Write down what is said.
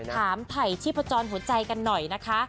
ไถ่ชีพจรหัวใจกันหน่อยนะคะ